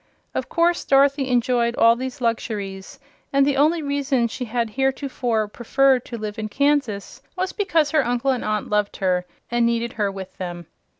Of course Dorothy enjoyed all these luxuries, and the only reason she had heretofore preferred to live in Kansas was because her uncle and aunt loved her and needed her with them.